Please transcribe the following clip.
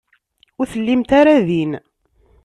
Ur tellimt ara din.